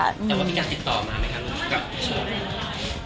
แต่ว่ามีการติดต่อมาไหมคะลูกคุณกับผู้จัดการ